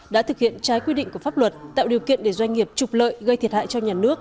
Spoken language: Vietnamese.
đã thực hiện trái quy định của pháp luật tạo điều kiện để doanh nghiệp trục lợi gây thiệt hại cho nhà nước